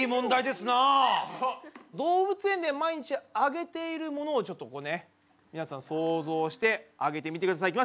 動物園で毎日あげているものをちょっとこうね皆さん想像してあげてみてください。